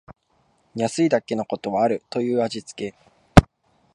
安いだけのことはあるという味つけ